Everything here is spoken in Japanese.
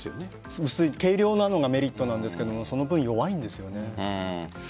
軽量なのがメリットなんですがその分、弱いんですよね。